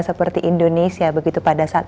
seperti indonesia begitu pada saat